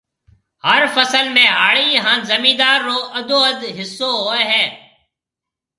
هر فصل ۾ هاڙِي هانَ زميندار رو اڌواڌ هسو هوئي هيَ۔